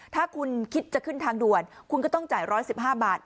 ถ้าคุณคิดจะขึ้นทางด่วนคุณก็ต้องจ่าย๑๑๕บาท